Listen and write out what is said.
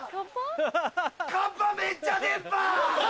カッパめっちゃ出っ歯！